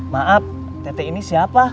maaf tete ini siapa